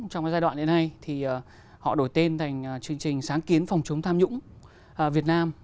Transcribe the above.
trong giai đoạn hiện nay thì họ đổi tên thành chương trình sáng kiến phòng chống tham nhũng việt nam